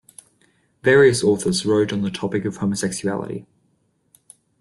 Various authors wrote on the topic of homosexuality.